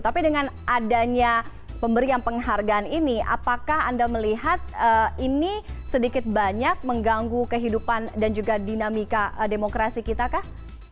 tapi dengan adanya pemberian penghargaan ini apakah anda melihat ini sedikit banyak mengganggu kehidupan dan juga dinamika demokrasi kita kah